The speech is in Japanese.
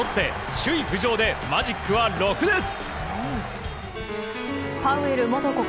首位浮上でマジックは６です！